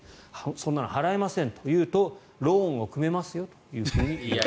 そんなの払えませんと言うとローンを組めますよと言われた。